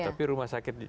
tapi rumah sakit